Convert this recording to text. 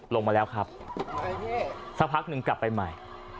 ลงมาแล้วครับสักพักหนึ่งกลับไปใหม่